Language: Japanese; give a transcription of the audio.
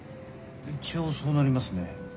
一応そうなりますね。